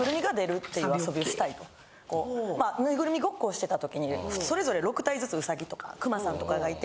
こうぬいぐるみごっこをしてた時にそれぞれ６体ずつウサギとかクマさんとかがいて。